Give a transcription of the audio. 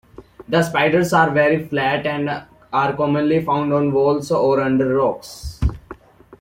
The spiders are very flat and are commonly found on walls or under rocks.